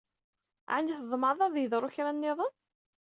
Ɛni tḍemɛeḍ ad yeḍru kra niḍen?